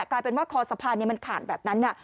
กลายเป็นว่าคอสะพานมันขาดแบบนั้น